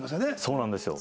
そうなんですよ。